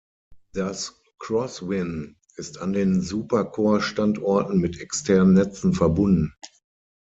Das X-WiN ist an den Super-Core-Standorten mit externen Netzen verbunden.